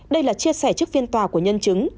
đây là chia sẻ trước phiên tòa của nhân chứng